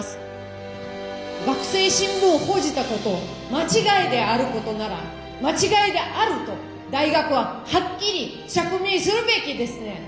学生新聞の報じたこと間違いであることなら間違いであると大学ははっきり釈明するべきですね。